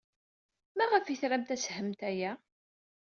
Maɣef ay tramt ad themt aya?